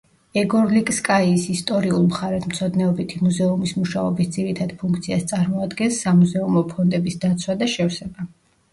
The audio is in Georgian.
ეგორლიკსკაიის ისტორიულ-მხარეთმცოდნეობითი მუზეუმის მუშაობის ძირითად ფუნქციას წარმოადგენს სამუზეუმო ფონდების დაცვა და შევსება.